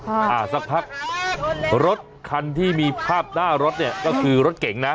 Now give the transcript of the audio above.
อ่าสักพักรถคันที่มีภาพหน้ารถเนี่ยก็คือรถเก่งนะ